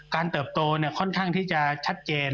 การเติบโตเนี่ยค่อนข้างที่จะชัดเจน